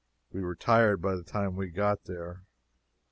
We were tired by the time we got there.